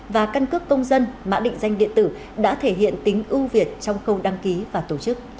và căn cước công dân mã định danh điện tử đã thể hiện tính ưu việt trong khâu đăng ký và tổ chức